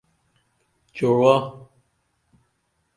چُعوہ